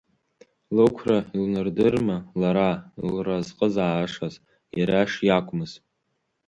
Лықәра илнардырма лара илразҟызаашаз иара шиакәмыз?